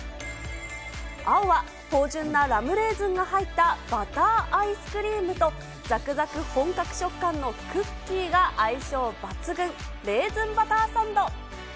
青は芳じゅんなラムレーズンが入ったバターアイスクリームと、ざくざく本格食感のクッキーが相性抜群、レーズンバターサンド。